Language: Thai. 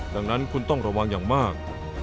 ดังนั้นคุณต้องระวังอย่างมาก